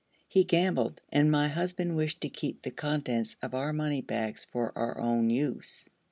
He gambled, and my husband wished to keep the contents of our money bags for our own use.